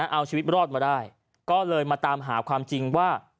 เอาชีวิตรอดมาได้ก็เลยมาตามหาความจริงว่า